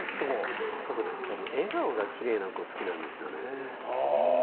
僕はやっぱり笑顔がきれいな子が好きなんですよね。